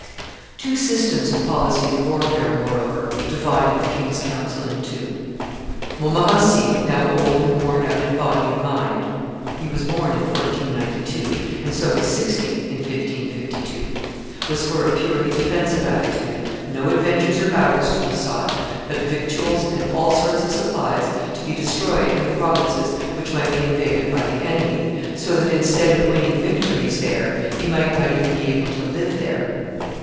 Two systems of policy and warfare, moreover, divided the king's council into two: Montmorency, now old and worn out in body and mind (he was born in 1492, and so was sixty in 1552), was for a purely defensive attitude, no adventures or battles to be sought, but victuals and all sorts of supplies to be destroyed in the provinces which might be invaded by the enemy, so that instead of winning victories there he might not even be able to live there.